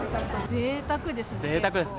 ぜいたくですね。